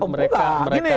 mereka mendapat tekanan